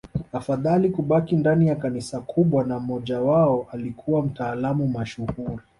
Afadhali kubaki ndani ya Kanisa kubwa na mmojawao alikuwa mtaalamu mashuhuri